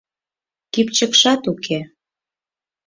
Кӱпчыкшат уке.